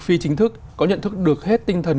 phi chính thức có nhận thức được hết tinh thần